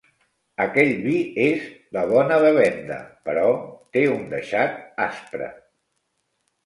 Aquell vi és de bona bevenda, però té un deixat aspre.